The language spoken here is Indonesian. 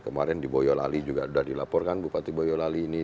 kemarin di boyolali juga sudah dilaporkan bupati boyolali ini